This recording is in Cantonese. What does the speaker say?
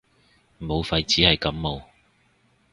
武肺只係感冒